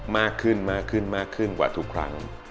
มากขึ้นมากขึ้นมากขึ้นกว่าทุกครั้ง